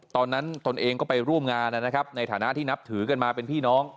ตนเองก็ไปร่วมงานนะครับในฐานะที่นับถือกันมาเป็นพี่น้อง